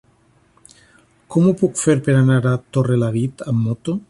Com ho puc fer per anar a Torrelavit amb moto?